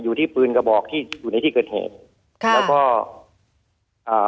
อยู่ที่ปืนกระบอกที่อยู่ในที่เกิดเหตุค่ะแล้วก็อ่า